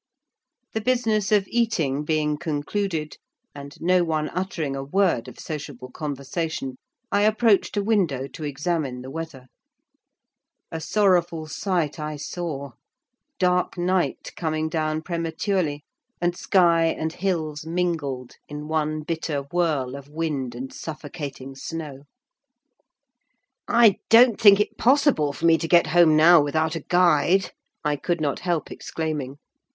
The business of eating being concluded, and no one uttering a word of sociable conversation, I approached a window to examine the weather. A sorrowful sight I saw: dark night coming down prematurely, and sky and hills mingled in one bitter whirl of wind and suffocating snow. "I don't think it possible for me to get home now without a guide," I could not help exclaiming.